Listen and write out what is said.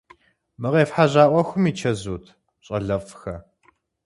Мы къефхьэжьа ӏуэхум и чэзут, щӏалэфӏхэ?